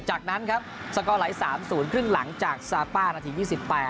จากนั้นครับสกอร์ไหล๓๐ครึ่งหลังจากซาป้านาที๒๘